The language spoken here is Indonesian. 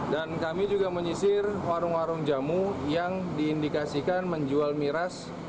dan kami juga menyisir warung warung jamu yang diindikasikan menjual miras